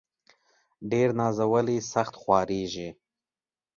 ډير نازولي ، سخت خوارېږي.